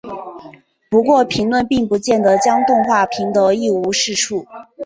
不过评论并不见得将动画评得一无是处。